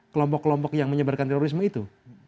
kelompok kelompok yang menyebarkan terorisme itu